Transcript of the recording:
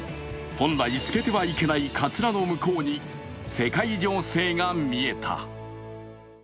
本来、透けてはいけないかつらの向こうに世界情勢が見えた。